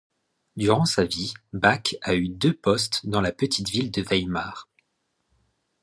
Durant sa vie, Bach a eu deux postes dans la petite ville de Weimar.